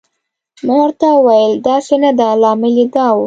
ما ورته وویل: داسې نه ده، لامل یې دا و.